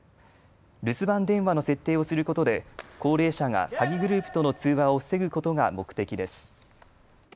留守番電話の設定をすることで高齢者が詐欺グループとの通話を防ぐことが目的です。